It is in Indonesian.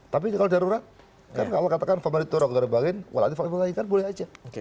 tapi kalau darurat kalau katakan walau itu boleh saja